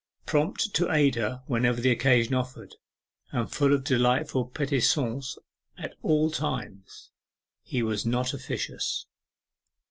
Prompt to aid her whenever occasion offered, and full of delightful petits soins at all times, he was not officious.